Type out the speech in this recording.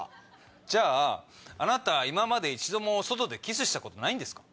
じゃああなた今まで一度も外でキスしたことないんですか？